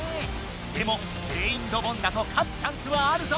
でもぜんいんドボンだと勝つチャンスはあるぞ！